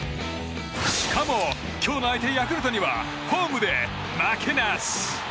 しかも、今日の相手ヤクルトにはホームで負けなし。